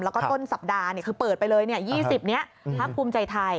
แล้วก็ต้นสัปดาห์คือเปิดไปเลย๒๐นี้พักภูมิใจไทย